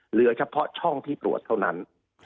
เหลือเฉพาะช่องที่ตรวจเท่านั้น